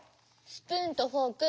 スプーンとフォーク